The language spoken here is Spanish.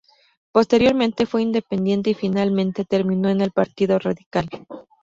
Posteriormente fue independiente y finalmente terminó en el Partido Radical.